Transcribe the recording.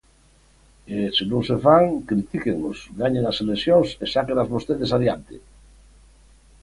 E, se non se fan, critíquennos, gañen as eleccións e sáquenas vostedes adiante.